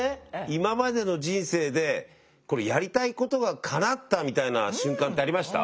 今までの人生でやりたいことが叶ったみたいな瞬間ってありました？